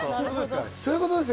そういうことですよ。